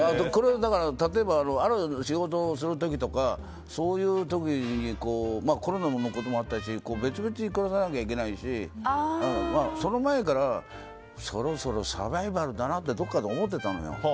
仕事する時とかそういう時にコロナのこともあって別々に暮らさなきゃいけないしその前からそろそろサバイバルかなってどこかで思ってたのよ。